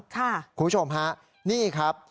คุณผู้ชมฮะนี่ครับ